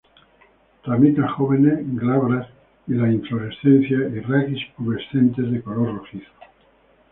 Ramitas jóvenes glabras y la inflorescencia y raquis pubescentes de color rojizo.